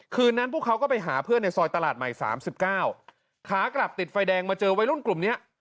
คืนนั้นพวกเขาก็ไปหาเพื่อนในซอยตลาดใหม่๓๙ขากลับติดไฟแดงมาเจอวัยรุ่นกลุ่มนี้